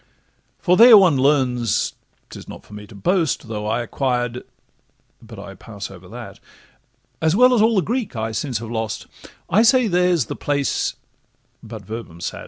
For there one learns—'tis not for me to boast, Though I acquired—but I pass over that, As well as all the Greek I since have lost: I say that there's the place—but 'Verbum sat.